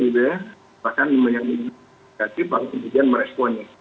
bahkan yang dikatakan kemudian meresponnya